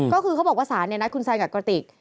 ก็คือเขาบอกว่าศาลนัดคุณแซนกับกระติก